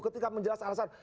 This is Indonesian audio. ketika menjelaskan alasan